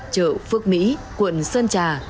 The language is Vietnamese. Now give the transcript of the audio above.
chợ phước mỹ quận sơn trà